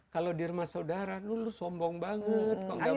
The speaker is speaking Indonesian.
kalau di rumah saudara lu sombong banget kok gak mau